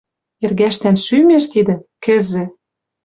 Эргӓшдӓн шӱмеш тидӹ — кӹзӹ...»